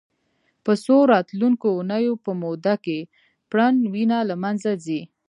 په څو راتلونکو اونیو په موده کې پرڼ وینه له منځه ځي.